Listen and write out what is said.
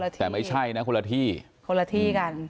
แต่ไม่ใช่นะคนละที่คนละที่กัน